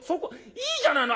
「いいじゃないの！